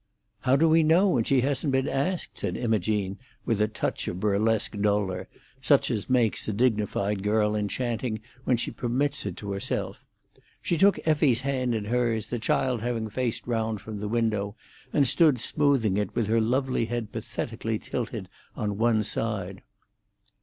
"How do we know, when she hasn't been asked?" said Imogene, with a touch of burlesque dolor, such as makes a dignified girl enchanting, when she permits it to herself. She took Effie's hand in hers, the child having faced round from the window, and stood smoothing it, with her lovely head pathetically tilted on one side.